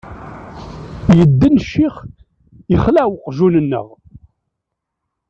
Yedden ccix, yexleε uqjun-nneɣ.